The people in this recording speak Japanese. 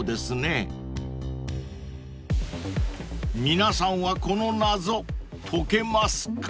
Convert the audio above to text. ［皆さんはこの謎解けますか？］